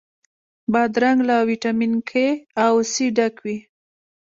بادرنګ له ویټامین K او C ډک وي.